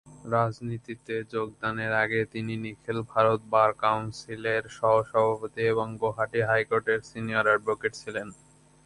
রাজনীতিতে যোগদানের আগে তিনি নিখিল ভারত বার কাউন্সিলের সহ সভাপতি এবং গুয়াহাটি হাইকোর্টের সিনিয়র অ্যাডভোকেট ছিলেন।